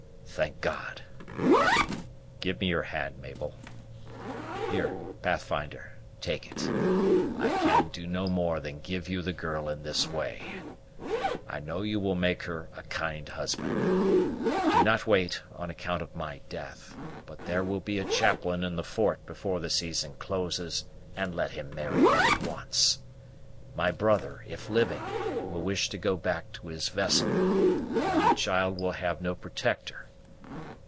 "Thank God! Give me your hand, Mabel here, Pathfinder, take it. I can do no more than give you the girl in this way. I know you will make her a kind husband. Do not wait on account of my death; but there will be a chaplain in the fort before the season closes, and let him marry you at once. My brother, if living, will wish to go back to his vessel, and then the child will have no protector.